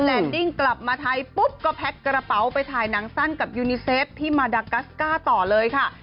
ดิ้งกลับมาไทยปุ๊บก็แพ็คกระเป๋าไปถ่ายหนังสั้นกับยูนิเซฟที่มาดากัสก้าต่อเลยค่ะ